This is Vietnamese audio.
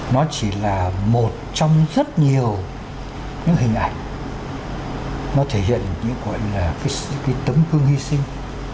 nó chỉ là một trong rất nhiều những hình ảnh nó thể hiện cái gọi là cái tấm cương hy sinh